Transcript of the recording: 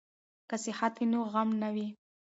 که صحت وي نو غم نه وي.